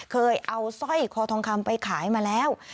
เคยเอาสร้อยคอทองคำไปขายมาแล้ว